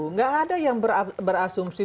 nggak ada yang berasumsi